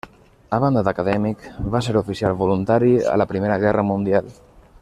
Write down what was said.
A banda d'acadèmic, va ser oficial voluntari a la Primera Guerra Mundial.